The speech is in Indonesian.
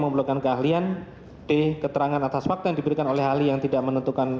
memerlukan keahlian d keterangan atas fakta yang diberikan oleh ahli yang tidak menentukan